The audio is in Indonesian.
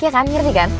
ya kan ngerti kan